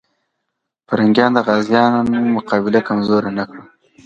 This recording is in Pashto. پرنګیان د غازيانو مقابله کمزوري نه کړه.